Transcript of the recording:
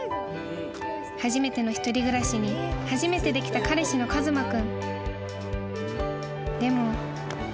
［初めての一人暮らしに初めてできた彼氏の一馬君］